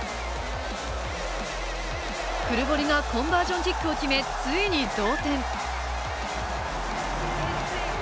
クルボリがコンバージョンキックを決めついに同点。